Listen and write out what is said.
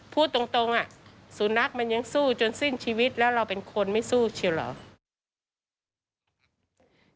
พูดตรงสุนัขมันยังสู้จนสิ้นชีวิตแล้วเราเป็นคนไม่สู้เชียวเหรอ